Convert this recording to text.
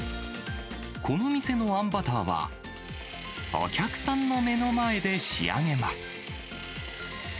この店のあんバターは、お客さんの目の前で仕上げます。